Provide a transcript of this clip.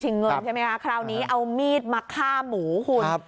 ถึงเงินใช่ไหมคราวนี้เอามีดมาข้ามหมูขุด